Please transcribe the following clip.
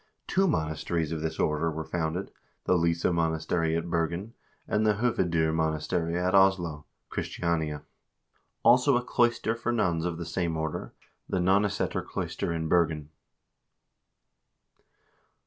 Two monasteries of this order were founded : the Lyse monastery at Bergen, and the Hoved0 monastery at Oslo (Christiania) ; also a cloister for nuns of the same order, the Nonneseter cloister in Bergen.